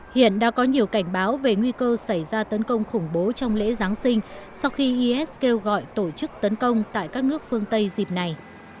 hiện đã có nhiều cảnh báo về nguy cơ xảy ra tấn công khủng bố trong lễ giáng sinh sau khi is kêu gọi tổ chức tấn công tại các nước phương tây dịp này